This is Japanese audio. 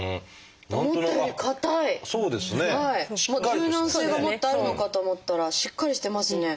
柔軟性がもっとあるのかと思ったらしっかりしてますね。